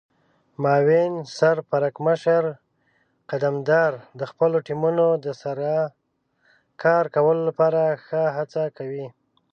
معاون سرپرکمشر قدمدار د خپلو ټیمونو د سره کار کولو لپاره ښه هڅه کوي.